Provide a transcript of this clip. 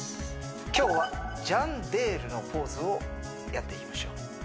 今日はジャン・デールのポーズをやっていきましょう